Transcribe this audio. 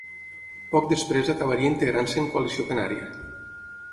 Poc després acabaria integrant-se en Coalició Canària.